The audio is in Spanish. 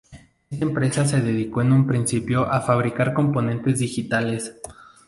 Esta empresa se dedicó, en un principio, a fabricar componentes digitales.